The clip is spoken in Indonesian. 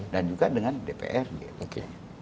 dan juga dengan dprd